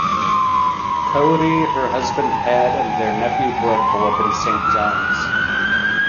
Coady, her husband Pat and their nephew Brook live in Saint John's.